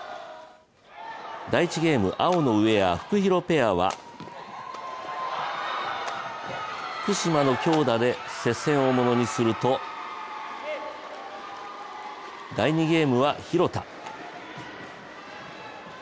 第１ゲーム、青のウエア、フクヒロペアは福島の強打で接戦をものにすると第２ゲームは廣田。